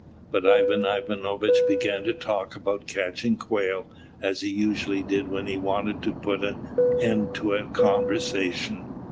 But Ivan Ivanovitch began to talk about catching quail, as he usually did when he wanted to put an end to a conversation.